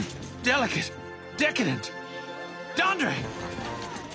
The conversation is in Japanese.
ドンドレ！